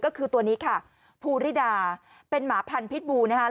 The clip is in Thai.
ก็คือตัวนี้ค่ะภูริดาเป็นหมาพันธุ์บูนะคะ